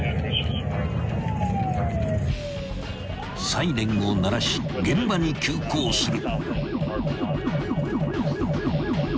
［サイレンを鳴らし現場に急行する］